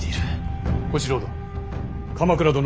小四郎殿。